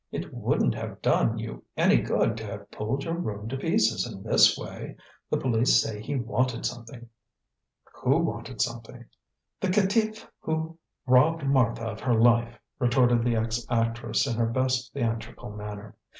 "It wouldn't have done you any good to have pulled your room to pieces in this way. The police say he wanted something." "Who wanted something?" "The caitiff who robbed Martha of her life," retorted the ex actress in her best theatrical manner.